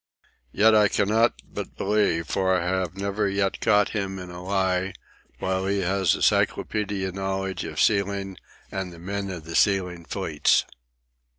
Yet I cannot but believe for I have never yet caught him in a lie, while he has a cyclopædic knowledge of sealing and the men of the sealing fleets.